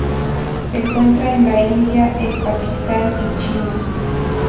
Se encuentra en la India, el Pakistán y China.